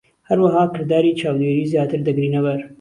هەروەها، کرداری چاودێری زیاتر دەگرینە بەر.